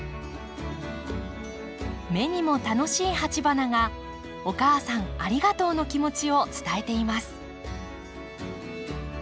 目にも楽しい鉢花が「お母さんありがとう」の気持ちを伝えています。